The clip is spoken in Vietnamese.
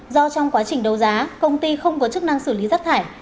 do trong quá trình đấu giá công ty không có chức năng xử lý rác thải